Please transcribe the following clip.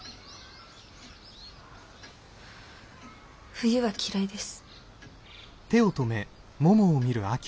冬は嫌いです。